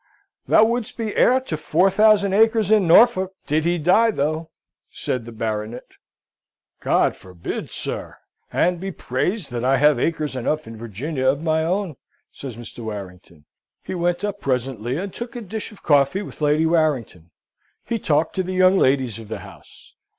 "Thou wouldst be heir to four thousand acres in Norfolk, did he die, though," said the Baronet. "God forbid, sir, and be praised that I have acres enough in Virginia of my own!" says Mr. Warrington. He went up presently and took a dish of coffee with Lady Warrington: he talked to the young ladies of the house.